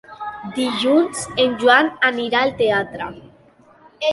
Dilluns en Joan anirà al teatre.